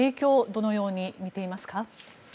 どのように見ていますか？